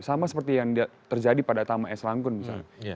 sama seperti yang terjadi pada tama s langkun misalnya